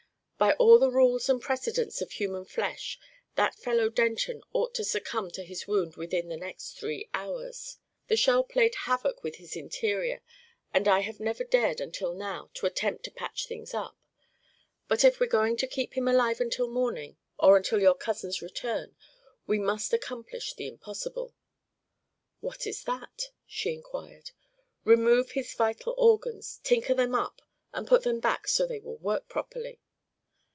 "By all the rules and precedents of human flesh, that fellow Denton ought to succumb to his wound within the next three hours. The shell played havoc with his interior and I have never dared, until now, to attempt to patch things up; but if we're going to keep him alive until morning, or until your cousin's return, we must accomplish the impossible." "What is that?" she inquired. "Remove his vital organs, tinker them up and put them back so they will work properly."